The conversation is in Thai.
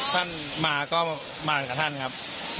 ภัณฑ์มาก็มากับท่านครับ